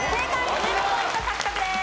１５ポイント獲得です。